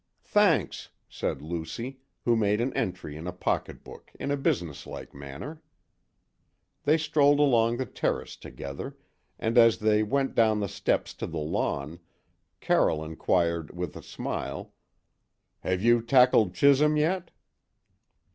"Thanks," said Lucy, who made an entry in a pocket book in a businesslike manner. They strolled along the terrace together, and as they went down the steps to the lawn, Carroll inquired with a smile, "Have you tackled Chisholm yet?"